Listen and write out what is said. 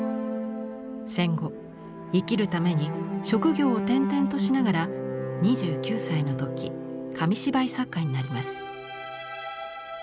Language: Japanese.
戦後生きるために職業を転々としながら２９歳の時紙芝居作家になります。